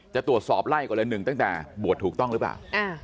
จะตรวจสอบไล่ก่อนละหนึ่งตั้งแต่บวชถูกต้องหรือเปล่า